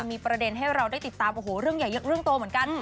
มีประเด็นให้เราได้ติดตามโอ้โหเรื่องใหญ่เรื่องโตเหมือนกัน